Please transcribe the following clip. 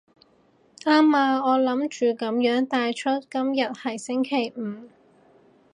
啱啊，我諗住噉樣帶出今日係星期五